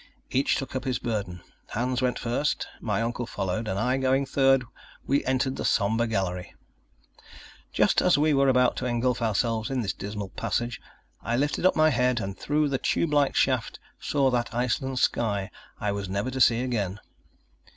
Each took up his burden. Hans went first, my uncle followed, and I going third, we entered the somber gallery! Just as we were about to engulf ourselves in this dismal passage, I lifted up my head, and through the tubelike shaft saw that Iceland sky I was never to see again!